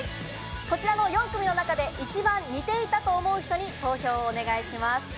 こちらの４組の中で、一番似ていたと思う人に、投票をお願いします。